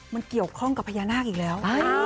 มันเกี่ยวข้องกับพญานาคอีกแล้ว